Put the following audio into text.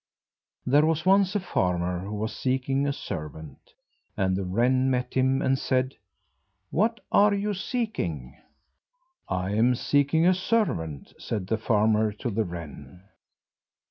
There was once a farmer who was seeking a servant, and the wren met him and said: "What are you seeking?" "I am seeking a servant," said the farmer to the wren.